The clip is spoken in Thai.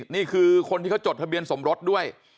นี่คือคนที่เขาจดทะเบียนสมรสด้วย